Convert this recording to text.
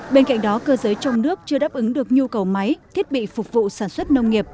bên cạnh đó cơ giới trong nước chưa đáp ứng được nhu cầu máy thiết bị phục vụ sản xuất nông nghiệp